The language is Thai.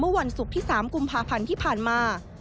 วันศุกร์ที่๓กุมภาพันธ์ที่ผ่านมา